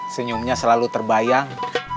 senyumnya selalu terbayang